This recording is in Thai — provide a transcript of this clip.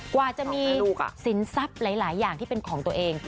กว่าจะมีสินทรัพย์หลายอย่างที่เป็นของตัวเอง